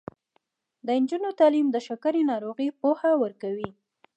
د نجونو تعلیم د شکرې ناروغۍ پوهه ورکوي.